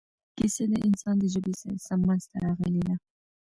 کیسه د انسان د ژبې سره سم منځته راغلې ده.